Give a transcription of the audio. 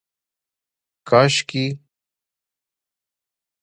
کاشکي